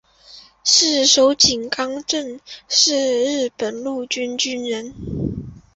四手井纲正为日本陆军军人。